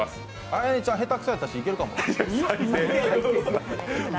綾音ちゃん下手くそやったからいけるかも。